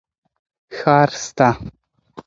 ښار سته.